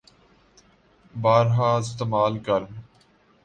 بارہا استعمال کر